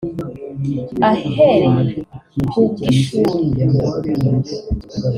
Ahereye k’ubw’ishuri